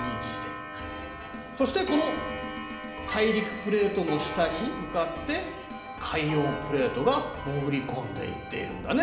そしてこの大陸プレートの下に向かって海洋プレートが潜り込んでいっているんだね。